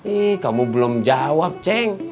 ih kamu belum jawab ceng